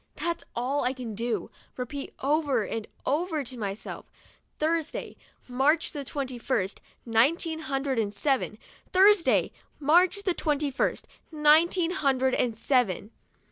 That's all I can do, repeat over and over to myself, "Thursday, March the twenty first, nineteen hundred and seven. Thursday, March the twenty first, nineteen hundred and seven.